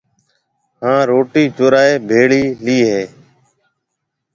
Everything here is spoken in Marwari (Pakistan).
ھان روٽِي چورائيَ ڀيڙي ليَ ھيََََ